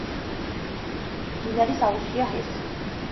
მდინარის აუზშია ჰესი.